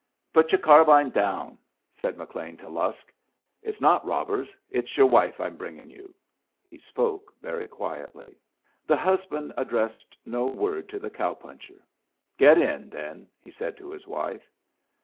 "Put your carbine down," said McLean to Lusk. "It's not robbers. It's your wife I'm bringing you." He spoke very quietly. The husband addressed no word to the cow puncher "Get in, then," he said to his wife.